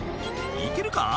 「行けるか？